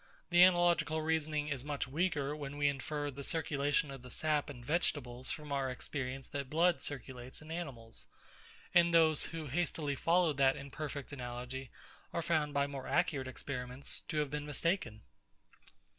The analogical reasoning is much weaker, when we infer the circulation of the sap in vegetables from our experience that the blood circulates in animals; and those, who hastily followed that imperfect analogy, are found, by more accurate experiments, to have been mistaken.